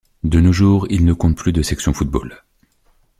De nos jours, il ne compte plus de section football.